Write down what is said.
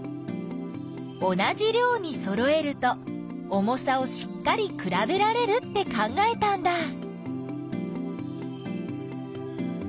同じ量にそろえると重さをしっかりくらべられるって考えたんだ。